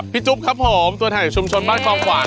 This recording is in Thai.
พี่จุ๊บครับผมตัวแทนจากชุมชนบ้านคลอมขวาน